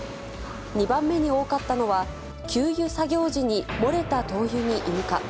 ２番目に多かったのは、給油作業時に漏れた灯油に引火。